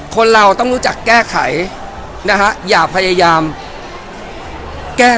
คนเราต้องรู้จักแก้ไขนะฮะอย่าพยายามแก้